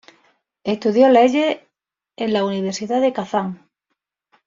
Estudió leyes en la Universidad de Kazan.